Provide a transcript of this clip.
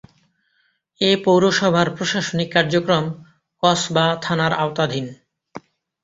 এ পৌরসভার প্রশাসনিক কার্যক্রম কসবা থানার আওতাধীন।